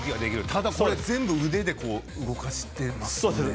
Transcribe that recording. ただ、全部腕で動かしてますよね。